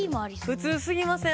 普通すぎません？